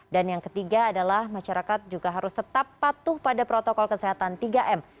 dan yang ketiga adalah masyarakat juga harus tetap patuh pada protokol kesehatan tiga m